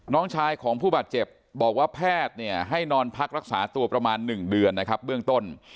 น้องชายของผู้บาดเจ็บบอกว่าแพทย์เนี่ยให้นอนพักรักษาตัวประมาณ๑เดือนนะครับเบื้องต้น